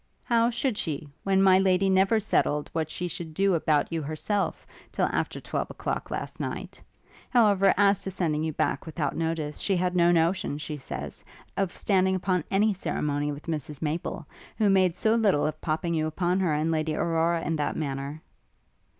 'How should she, when my lady never settled what she should do about you herself, till after twelve o'clock last night? However, as to sending you back without notice, she had no notion, she says, of standing upon any ceremony with Mrs Maple, who made so little of popping you upon her and Lady Aurora in that manner.'